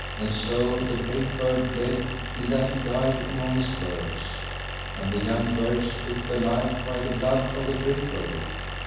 And so the great bird bled till that he died among his birds. And the young birds took the life by the blood of the great bird.